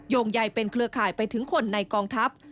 งใยเป็นเครือข่ายไปถึงคนในกองทัพ